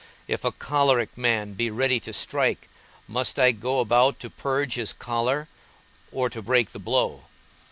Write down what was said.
If a choleric man be ready to strike, must I go about to purge his choler, or to break the blow?